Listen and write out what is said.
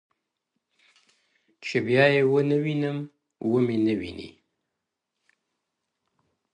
چي بیا يې ونه وینم ومي نه ويني ـ